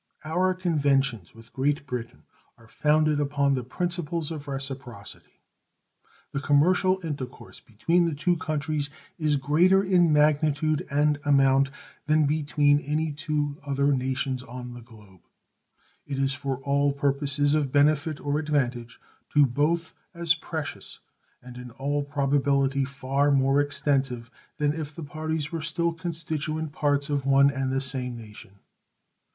Our conventions with Great Britain are founded upon the principles of reciprocity. The commercial intercourse between the two countries is greater in magnitude and amount than between any two other nations on the globe. It is for all purposes of benefit or advantage to both as precious, and in all probability far more extensive, than if the parties were still constituent parts of one and the same nation.